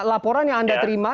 laporan yang anda terima